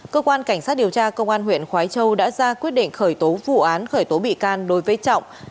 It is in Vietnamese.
cơ quan cảnh sát điều tra công an huyện khói châu đã ra quyết định khởi tố vụ án khởi tố bị can đối với trọng